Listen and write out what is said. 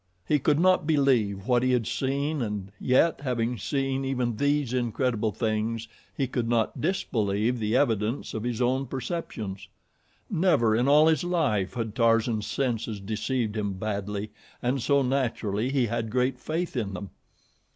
He could not believe what he had seen and yet, having seen even these incredible things, he could not disbelieve the evidence of his own perceptions. Never in all his life had Tarzan's senses deceived him badly, and so, naturally, he had great faith in them.